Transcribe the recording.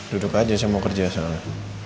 duduk aja saya mau kerja soalnya